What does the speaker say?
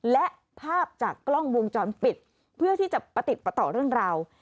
และภาพจากกล้องวงจรปิดเพื่อที่จะประติดประต่อเรื่องราว